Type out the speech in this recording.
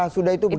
sudah itu begini